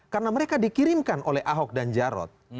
karena mereka dikirimkan oleh ahok dan jarod